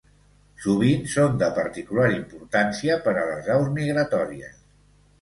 Sovint, són de particular importància per a les aus migratòries.